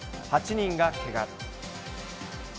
８人がけが。